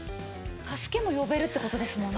助けも呼べるって事ですもんね。